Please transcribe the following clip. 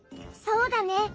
そうだね。